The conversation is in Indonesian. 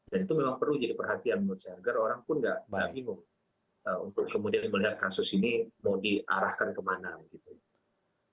dan itu memang perlu jadi perhatian menurut saya agar orang pun tidak bingung untuk kemudian melihat kasus ini mau diarahkan kemana gitu